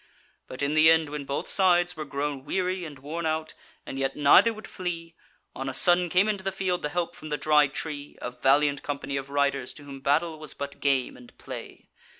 But in the end when both sides were grown weary and worn out, and yet neither would flee, on a sudden came into the field the help from the Dry Tree, a valiant company of riders to whom battle was but game and play.